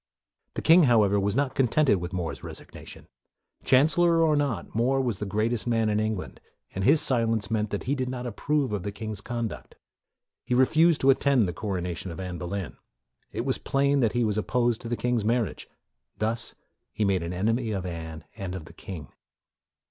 The king, however, was not contented with More's resignation. Chancellor or not, More was the greatest man in Eng land, and his silence meant that he did 44 MORE not approve of the king's conduct. He refused to attend the coronation of Anne Boleyn. It was plain that he was opposed to the king's marriage. Thus he made an enemy of Anne and of the king.